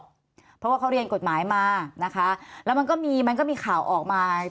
เพราะว่าเขาเรียนกฎหมายมานะคะแล้วมันก็มีมันก็มีข่าวออกมา